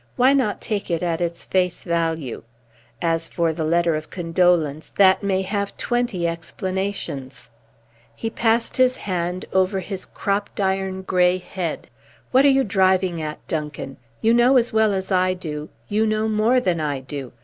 Why not take it at its face value? As for the letter of condolence, that may have twenty explanations." He passed his hand over his cropped iron grey head. "What are you driving at, Duncan? You know as well as I do you know more than I do.